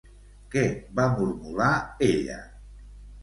Què va mormolar ella?